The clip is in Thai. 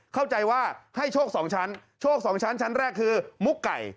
เข้าใจว่าให้โชคสองชั้นชั้นแรกคือมุกไก่